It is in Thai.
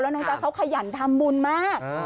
แล้วก็น้องจ๊ะเขาขยันทำบุญมาก